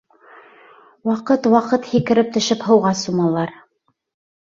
Ваҡыт-ваҡыт һикереп төшөп һыуға сумалар.